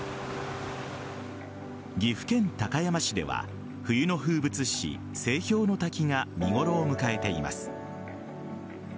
岐阜県高山市では冬の風物詩青氷の滝が見頃を迎えています。